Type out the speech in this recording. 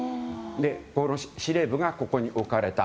司令部がここに置かれた。